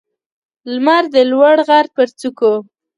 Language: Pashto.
لمر د لوړ غر پر څوکو